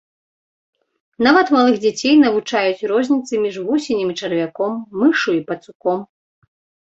Нават малых дзяцей навучаюць розніцы між вусенем і чарвяком, мышшу і пацуком.